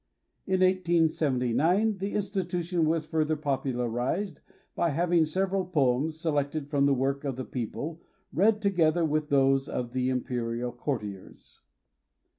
In 1879 the institution was fur ther popularized by having several poems, selected from the work of the people, read together with those of the imperial courtiers.